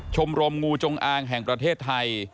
ชมรมงูจงอางแห่งประเทศไทย